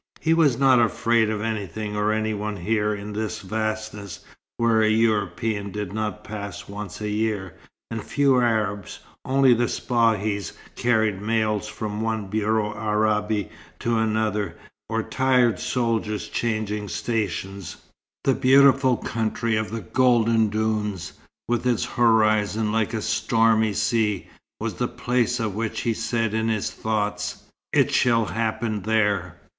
He was not afraid of anything or anyone here, in this vastness, where a European did not pass once a year, and few Arabs, only the Spahis, carrying mails from one Bureau Arabe to another, or tired soldiers changing stations. The beautiful country of the golden dunes, with its horizon like a stormy sea, was the place of which he said in his thoughts, "It shall happen there."